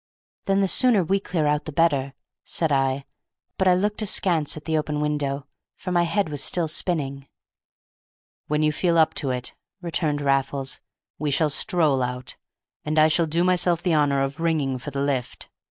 "Then the sooner we clear out the better," said I, but I looked askance at the open window, for my head was spinning still. "When you feel up to it," returned Raffles, "we shall stroll out, and I shall do myself the honor of ringing for the lift.